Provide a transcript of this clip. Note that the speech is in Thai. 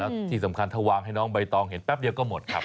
แล้วที่สำคัญถ้าวางให้น้องใบตองเห็นแป๊บเดียวก็หมดครับ